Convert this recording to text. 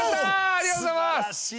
ありがとうございます！